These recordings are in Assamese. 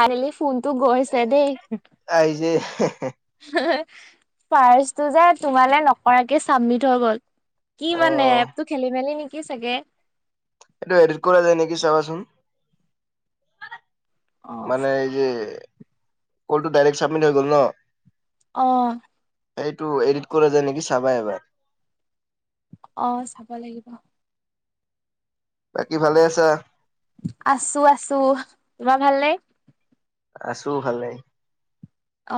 আনিলি ফোনটো গৈছে দেই। এই যে পাৰ্চটো যে তোমালে নকৰাকে চাবমিট হৈ গ'ল। কি অ মানে এপটো খেলি-মেলি নেকি? কি চাগে? এইটো এডিট কৰা যায় নেকি চাবাচোন। অ মানে এই যে কলটো ডাইৰেক্ট ছাবমিট হৈ গ'ল ন? অ'। এইটো এডিট কৰা যায় নেকি চাবা এবাৰ। অ চাব লাগিব। বাকী ভালে আছা আছো-আছো। তোমাৰ ভাল নে? আছো ভাল।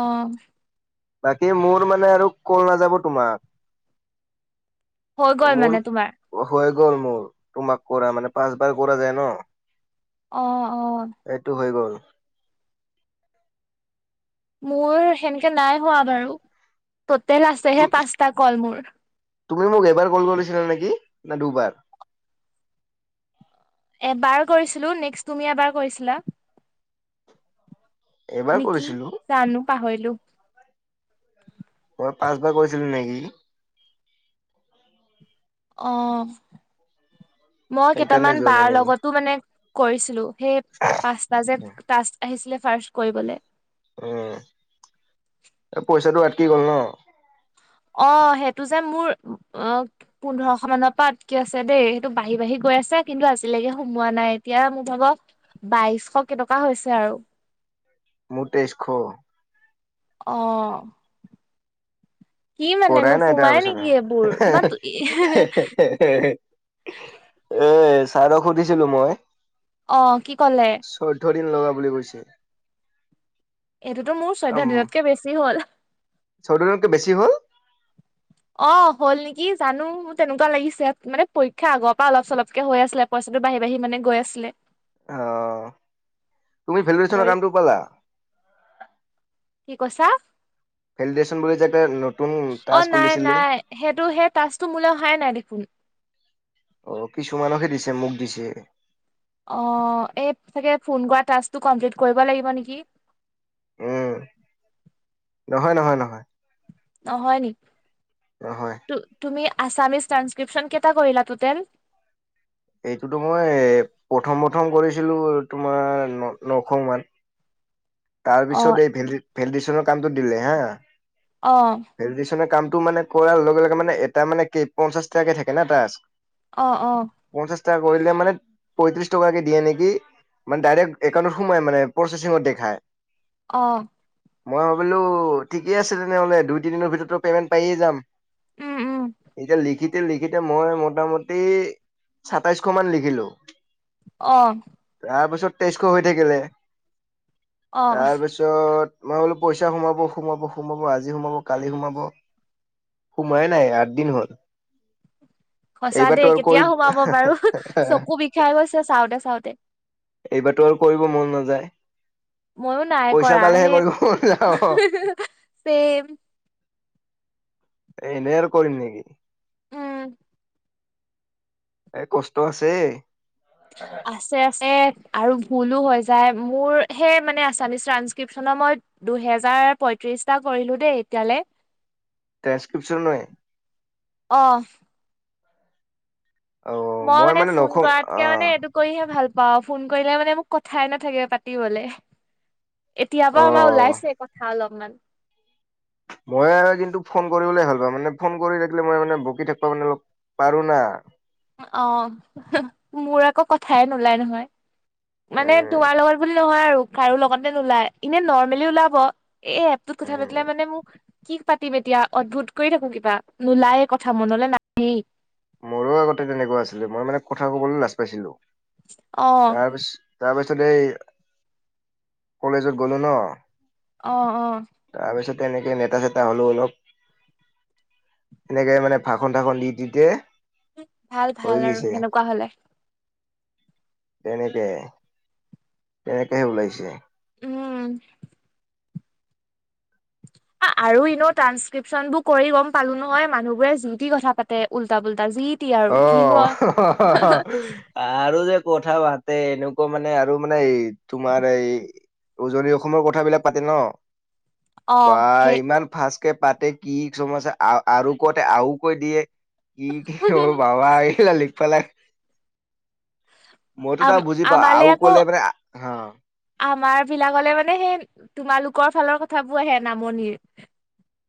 অ'। বাকী মোৰ মানে আৰু কল নাযাব তোমাক। হৈ গল মোৰ মানে তোমাৰ? হৈ গ'ল মোৰ তোমাক কৰা মানে পাঁচ বাৰ কৰা যায় ন? অ অ এইটো হৈ গ'ল। মোৰ সেনেকে নাই হোৱা বাৰু। টটেল আছেহে তু- পাঁচটা কল মোৰ। তুমি মোক এবাৰ কল কৰিছিলা নেকি না দুবাৰ? এবাৰ কৰিছিলো নেক্সট তুমি এবাৰ কৰিছিলা। এবাৰ নিকি কৰিছিলো জানো। পাহৰিলো। মই পাঁচবাৰ কৰিছিলো নেকি? অ মই সেইকাৰণে কেইটামান যোৱা নাই বাৰ নেকি লগতো মানে কৰিছিলো সেই পাঁচটা যে তাকচ আহিছিলে। ফাৰ্ষ্চ কৰিবলৈ। উম পইচাটো। কি গল ন। অ' সেইটো যে মোৰ অ পোন্ধৰশ মানৰ পৰা কি আছে দেই সেইটো বাঢ়ি-বাঢ়ি গৈ আছে কিন্তু আজিলৈকে সোমোৱা নাই এতিয়া মোক ভাব বাইশ কেইটকা হৈছে আৰু। মোৰ তেইজ শ। অ কি মানে কৰাই নাই নোসোমাই তাৰপিছত। নেকি এইবোৰ তোমাৰ এ ছাৰক সুধিছিলো মই, অ' কি কলে? চৈধ্য দিন লগা বুলি কৈছে। এইটোতো মোৰ চৈধ্য উম দিনতকে বেছি হ'ল। চৈধ্য দিনতকে বেছি হ'ল অ' হ'ল নেকি জানো তেনেকুৱা লাগিছে মানে পৰীক্ষা আগৰ পৰা অলপ চলপকে হৈ আছিলে পইচাটো বাঢ়ি-বাঢ়ি মানে গৈ আছিলে। অ', তুমি ভেলিদিচনৰ পৰি কামটো পালা। কি কৈছা? ভেলিডেশ্যন বুলি যে এটা নতুন অ' টাস্ক উলিছিলে নাই-নাই সেইটো সেই তচটো মোলে অহাই নাই দেখোন। অ' কিছুমানক হে দিছে মোক দিছে। অ' এই চাগে ফোন কৰা কমপ্লিট কৰিব লাগিব নেকি [inaudible] উম, নহয় নহয় নহয়। নহয় নেকি? নহয় ত' তুমি আছামিছ ্ৰান্সক্ৰিপশন কটা কৰিৈলা তোতে [inaudible] এইটোতো মই প্ৰথম- প্ৰথম কৰিছিলো তোমাৰ ন- নশ মান। তাৰ অ পিছত এই ভেল - ভেলডিচনত কামটো দিলে হা অ ভেলিদেচনৰ কাম টো মানে কৰাৰ লগে লগে মানে এটা মানে কেই পঞ্চাশ টাকে থাকে না তাত। অ অ। কৰিলে মানে পঁয়ত্ৰিশ টকাকে দিয়ে নেকি? মানে ডাইৰেক্ট একাউটত সোমাই মানে প্ৰচেচিঙত দেখায়। অহ। মই ভাবিলো ঠিকে আছে তেনেহ'লে দুই তিনিদিনৰ ভিতৰত পেমেন্ট পায়ে যাম, উম উম এতিয়া লিখিতে লিখিতে মই মোটামুটি সাতাইশ মান লিখিলো। অ। তাৰপিছত তেইজশ হৈ থাকিলে। অ তাৰপিছত মই বোলো পইচা সোমাব, সোমাব সোমাব আজি সোমাব কালি সোমাব, সোমাই নাই আঠ দিন হল। সঁচা এইবাৰতো দেই আৰু কৰি কেতিয়া সোমাব বাৰু? চকু বিষাই গৈছে চাওঁতে চাওঁতে। এইবাৰতো আৰু কৰিব মন নাযায়। ময়ো নাই পইচা কৰা পালেহে হেই। কৰিব মন যাব [unintelligible] এনেই আৰু কৰিম নেকি? উম। এ কষ্ট আছে। আছে আছে। আৰু ভুলো হৈ যায় মোৰ সেই মানে আছামিছ ট্ৰানসক্ৰিপ্যনৰ মই দুহেজাৰ পয়ত্ৰিশটা কৰিলো দেই এতিয়ালে। ট্ৰেনসক্ৰিপ্যন নয়ে। অ মই মানে ফোন কৰাতকে মানে এইটো কৰিহে ভাল পা বাও ফোন কৰিলে মানে মোক কথাই নাথাকে পাতিবলে। এতিয়াৰ পা আমাৰ অ' ওলাইছে কথা অলপমান। [unintelligible] মই আৰু কিন্তু ফোন কৰিবলে ভাল পাওঁ মানে ফোন কৰি থাকিলে মই মানে বকি থাকিবা মানে অলপ পাৰো না। অঁ, মোৰ আকৌ কথাই নোলায় নহয়। মানে উম তোমাৰ লগত বুলি নহয় আৰু কাৰো লগতে নোলাই এনে নৰ্মেলি ওলাব এই এপটোত কথা উম পাতিলে মানে মোক কি পাতিম এতিয়া অদ্ভুত কৰি থাকো কিবা নোলায় কথা মনলে নাহেই। মোৰো আগতে তেনেকুৱা আছিলে মই মানে কথা কবলৈ লাজ পাইছিলো। অ তাৰপিছ তাৰপিছ এই, কলেজত গলো ন। অ', অ'। তেনেকে নেতা-চেতা হ'লেও অলপ, এনেকে মানে ভাষণ-থাষণ দি, দি কে ভাল, ভাল আৰু সেনেকুৱা হ'লে। তেনেকে তেনেকেহে ওলাইছে। উম। আ, আৰু এনেও ট্ৰান্সক্ৰিপচনবোৰ কৰি গ'ম পালোঁ নহয়, মানুহবোৰে যি-তি কথা পাতে, উল্টা পুল্টা যি টি আৰু কিনো অ', আৰু যে কথা পাতে, এনেকুৱা মানে, আৰু মানে, এই তোমাৰ এই, উজনি অসমৰ কথাবিলাক পাতে ন' অ বা সেই ইমান ফাষ্ট কে পাতে। কি, কিছুমান আছে আৰু কওঁতে আও কৈ দিয়ে। কি [unintelligible] বাবা এই [unintelligible] পেলাই আম, আমালে আকৌ হা আমাৰবিলাগলে মানে সেই তোমালোকৰ ফালৰ কথাবোৰ আহে, নামনিৰ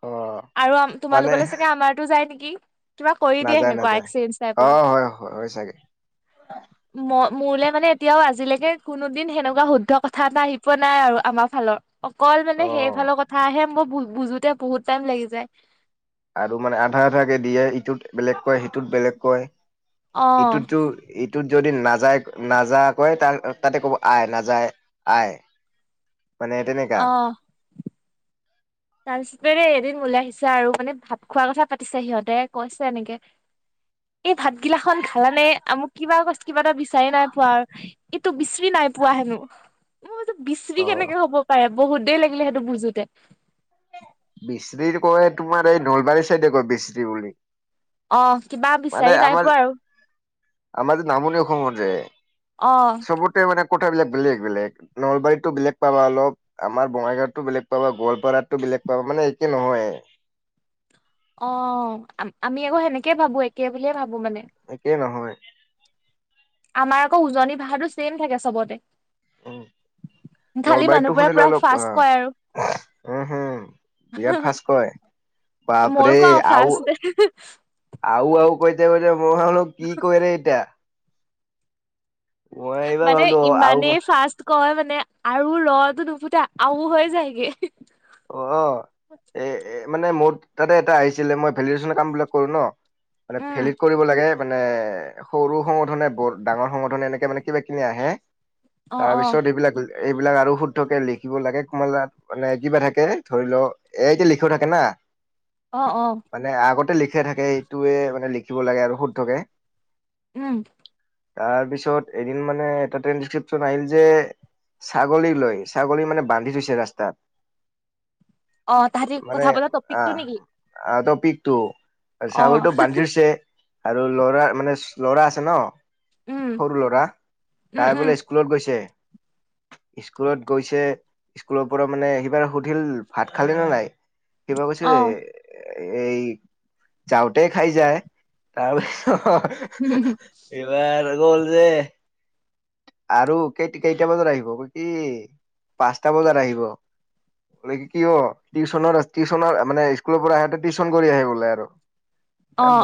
অ', আৰু আম, মানে তোমালোকলে চাগে আমাৰটো যায় নেকি? কিবা কৰি দিয়ে নাযায়, সেনেকুৱা নাযায়। এক্সেঞ্জ টাইপৰ অ', হয়, হয় চাগে। মোলৈ মানে, এতিয়াও, আজিলৈকে কোনো দিন সেনেকুৱা শুদ্ধ কথা এটা আহি পোৱা নাই আৰু আমাৰ ফালৰ অকল মানে অ', সেইফালৰ কথা আহে মোক মোক বুজোতে বহুত টাইম লাগি যায়। আৰু মানে আধা আধাকে দিয়ে, ইটোক বেলেগ কয়, সিটোক বেলেগ কয় অ ইটোতো এইট টোত যদি নাযায় নাযা কয়, তাৰ তাতে ক'ব আয়, নাযায়, আয়। মানে তেনেকা। তাৰছতে আৰু এদিন মোলে আহিছে আৰু মানে ভাত খোৱাৰ কথা পাতিছে সিহঁতে, কৈছে এনেকে, এই ভাতগিলা খন খালানে? আ মোক কিবা কৈছ- কিবা এটা বিচাৰি নাই পোৱা আৰু, এইটো বিচৰি নাই পোৱা হেনো বিচৰি অ কেনেকে হ'ব পাৰে বহুত দেৰি লাগিলে সেইটো বুজোতে। বিচৰি কয় তোমাৰ এই নলবাৰী চাইডে কয় বিচৰি বুলি। অ'। কিবা মানে বিচাৰি নাই আমাৰ পোৱা আৰু আমাৰ যে নামনি অসমত যে অ', চবতে মানে কথাবিলাক বেলেগ বেলেগ, নলবাৰীতো বেলেগ পাবা অলপ, আমাৰ বঙাইগাঁৱতো বেলেগ পাবা, গোৱালপাৰাতো বেলেগ পাবা, মানে একে নহয় অ', আমি আকৌ সেনেকে ভাবো, একে বুলিয়ে ভাব একেই নহয়,, আমাৰ আকৌ উজনি ভাষাটো ছেম থাকে চবতে উ খালি নলবাৰীতটো মানুহবোৰে শুনিলে পুৰা অলপ আহ ফাৰ্ষ্ট কয় আৰু উম হম বিৰাট ফাচ কয় বাপৰে মইয়ো কওঁ আৰু ফাৰ্ষ্ট আৰু আৰু কৈ দে [unintelligible] মই হলোক কি কয়ৰে এইটা এইবাৰ মানে ভাবিলো আৰু ইমানেই ফাৰ্ষ্ট কয় মান মানে আৰু ৰটো নুফুতে আও হৈ যায়গে অ এ এ মানে মোৰ তাতে এটা আহিছিলে মই ভেলিডেশচনৰ কাম বিলাক কৰো ন মানে উম ফেলিত কৰিব লাগে মানে সৰু সংগঠনে ব ডাঙৰ সংগঠনে এনেকে মানে কিবা খনি আহে অ অ তাৰপিছত এইবিলাক [unintelligible] এইবিলাক আৰু শুদ্ধকে লিখিব লাগে কোমালাত মানে কিবা থাক এ ধৰি লও এ এতিয়া লিখিও থাকে না অ অ মানে আগতে লিখ লিখা থাকে এই টোৱে মানে লিখিব লাগে আৰু শুদ্ধকে। উম। তাৰপিছত এদিন মানে এটা টেনডিস্কচিপচন আহিল যে ছাগলী লৈ ছাগলী মানে বান্ধি থৈছে ৰাস্তাত। অ তাহাতি কথা বতা টপিকটো নেকি? পিকতো। অ ছাগলীটো বান্ধি থৈছে আৰু ল'ৰা মানে ল'ৰা আছে ন! উম সৰু ল'ৰা উম তাই উম বোলে স্কুলত গৈছে! স্কুলত গৈছে স্কুলৰ পৰা মানে সিবাৰ সুধিল ভাত খালি নে নাই? কিবা কৈছে অ এই যাওঁতে খাই যায় তাৰছত এইবাৰ গল যে আৰু কেই - কেইটা বজাত আহিব কি পাঁচটা বজাত আহিব। মানে কি অ' টিউচনৰ- টিউচনৰ মানে স্কুলৰ পৰা আহঁতে টিউশন কৰি আহে বোলে আৰু অঁ।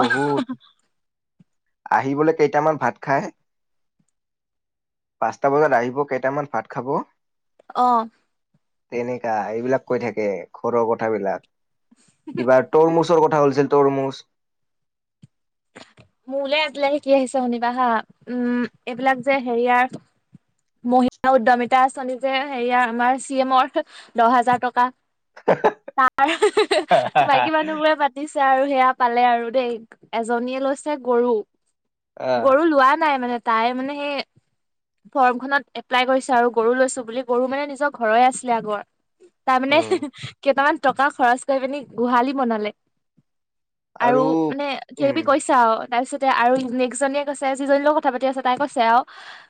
আহিবলৈ কেইটামান ভাত খাই, পাঁচটা বজাত আহিব কেইটামান ভাত খাব! অঁ। তেনে এইয়া, এইবিলাক কৈ থাকে ঘৰৰ কথাবিলাক। এইবাৰ তলমুচৰ কথা হলছিলেল তটৰম'চ! [inaudible] মোলে আজিলে শিকি আহিছে শুনিবা হা উম এইবিলাক যে হেৰিয়াৰ মহিলা উদ্যমিতা আঁচনি যে হেৰিয় আমাৰ চি এমৰ দহ হাজাৰ টকা তাই বাকী মানুহবোৰে পাতিছ আৰু সেয়া পালে আৰু দেই। এজনীয়ে লৈছে গৰু আহ গৰু লোৱা নাই মানে তাই মানে সেই ফৰ্মখনত এপ্লাই কৰিছো আৰু গৰু লৈছো বুলি গৰু মানে নিজৰ ঘৰই আছিলে আগৰ তাই মানে উম কেইটামান টকা খৰচ কৰি পিনি গোহালি বনালে। আৰু মানে উম কেবি কৈছা আৰু অ, তাৰ পিছতে আৰু নেক্স জনীয়ে কৈছে যিজনী লগ কথা পাতি আছে তাই কৈছে আৰু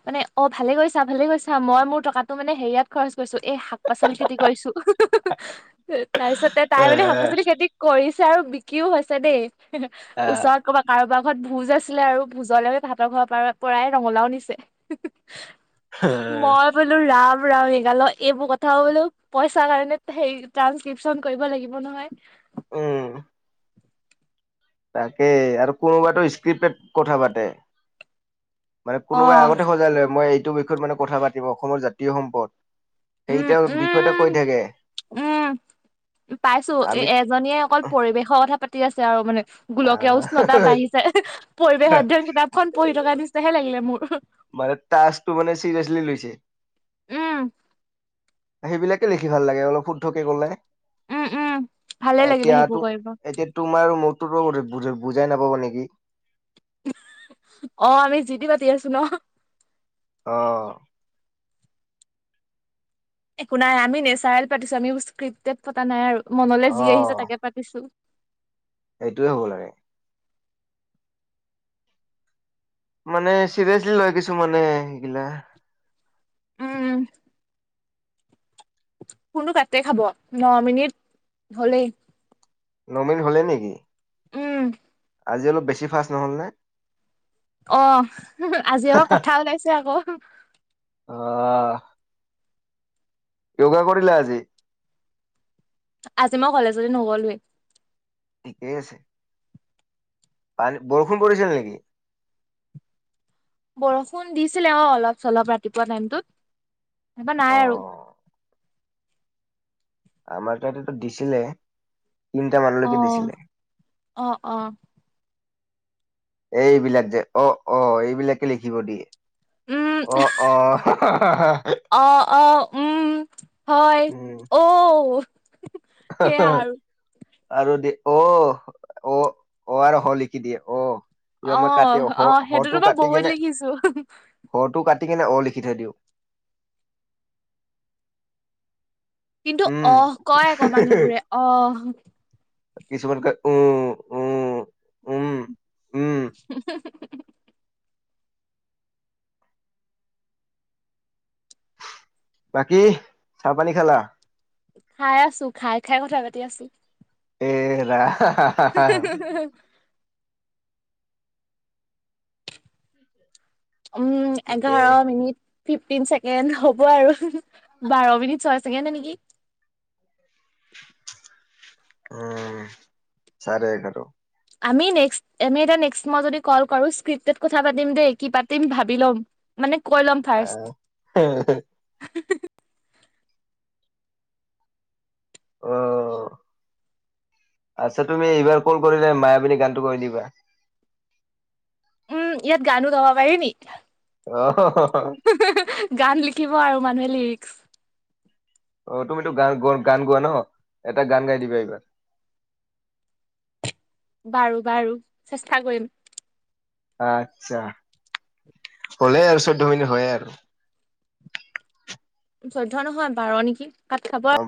মানে অ, ভালে কৈছা -ভালে কৈছা মই মোৰ টকাটো মানে হেৰিয়াত খৰচ কৈছো এ শাক-পাচলি খেতি কৰিছো তাৰ পিছতে তাই মানে আহ শাক-পাচলি খেতি কৰিছ যে আৰু বিকিও হৈছে দে আহ ওচৰত ক'বা কাৰোবাক ঘৰত ভোজ আছিলে আৰু ভোজৰ লৈ ভাতৰ ঘৰৰ পৰা-পৰাই ৰঙলাও নিছে। মই বোলো ৰাম [unintelligible] এইবোৰ কথা বোলো পইচাৰ কাৰণে হেই ট্ৰানচক্ৰিপচন কৰিব লাগিব নহয়। উম, তাকে আৰু কোনোবাতো স্ক্ৰিপেট কথা পাতে মানে কোনোবাই অ', আগতে সজাই লয় মই এই এইটো বিষয়ত মানে কথা পাতিব অসমৰ জাতীয় সম্পদ উম [unintelligible] বিষয় ত উম কৈ থাকে। উম, পাইছো এ আমি -এজনীয়ে অকল পৰিৱেশৰ কথা পাত [unintelligible] আছে আৰু মানে গোলকে আহ উষ্ণতা বাঢ়িছে পৰিৱেশ অধ্যয়ন কিতাপখন পঢ়ি থকা নিচিনা হে লাগিলে মোৰ মানে তাছটো [inaudible] মানে চিৰিয়াছলি লৈছে উম সেইবিলাকে লিখি ভাল লাগে অলপ শুদ্ধকে কলে উম উম ভালেই লাগিব এতিয়াতো সেইবোৰ কৰিব। এতিয়া [unintelligible] বুজাই নাপাব নেকি অ আমি জিটি পাতি আছো ন অহ একো নাই আমি নেচাৰল পাতিছো আমি [unintelligible] পতা নাই আৰু মনলৈ যি আহিছে তাকে পাতিছো এইটোৱে হ'ব লাগে মানে চিৰিয়াচলি লয় কিছু মানে সেইগিলা উম ফোনটো কাটে খাব ন মিনিট হলেই [inaudible] নৰ্মেল হ'লে নেকি? উম আজি অলপ বেছি ফাষ্ট নহ'লনে? অ', আজি আমাৰ কথা ওলাইছে আকৌ। [inaudible] অহ। য়োগা কৰিলা আজি? আজি মই কলেজলৈ নগ'লোৱে। ঠিকেই আছে। আনি বৰষুণ পৰিছিল নেকি? বৰষুণ দিছিলে অ', অলপ-চলপ ৰাতিপুৱা টাইমটোত। এবা নাই আৰু অ', আমাৰ তাত এটা দিছিলে। তিনিটা মানলৈকে অ', দিছিলে। অ', অ', এইবিলাক যে অ', অ', এইবিলাকে লিখিব দিয়ে। উম, অ', অ'। অ', অ', উম, হয়, ঔ। সেয়া উম। আৰু। আৰু দে অ', অ', অ', আৰু হ' লিখি দিয়ে অ'। কিবা মই কাটি অ', হ অ', হটো সেইটোতো মই কাটি বহুত লিখিছোঁ। লিখি কিনে অ', লিখি থৈ দিওঁ। কিন্তু উম অহ', কয় আকৌ মানুহবোৰে, অহ' কিছুমানে কয়, উম, উম, উম। [inaudible] বাকী, চাহ-পানী খালা? খাই আছোঁ। খাই-খাই কথা পাতি আছোঁ। এই ৰা [inaudible] উম। ঠিকে এঘাৰ মিনিট ফিফটিন ছেকেণ্ড হ'ব আৰু বাৰ মিনিট, চয় ছেকেণ্ডে নেকি? উম। চাৰে এঘাৰ আমি নেক্স্ট, এনে এতিয়া নেক্স্ট মই যদি কল কৰোঁ, স্ক্ৰিপ্টেড কথা পাতিম দেই। কি পাতিম ভাবি ল'ম, মানে কয় ল'ম ফাৰ্ষ্ট আহ অ', আচ্ছা, তুমি এইবাৰ কল কৰিলে মায়াবিনী গানটো গাই দিবা। উম, ইয়াত গানো গাব পাৰি নেকি? অ', হ, হ। হা, হা, হা, গান লিখিব আৰু। মানুহে লিৰিক্স। অ', তুমিতো গান গান গোৱা ন এটা গান গাই দিবা এইবাৰ। বাৰু বাৰু চেষ্টা কৰিম। আচ্ছা হলেই আৰু চৈধ্য মিনিট হয়ে আৰু। চৈধ্য নহয় বাৰ নেকি ভাত খাব